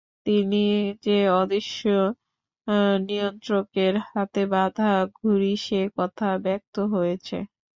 তিনি যে অদৃশ্য নিয়ন্ত্রকের হাতে বাঁধা ঘুড়ি সে কথাও ব্যক্ত হয়েছেঃ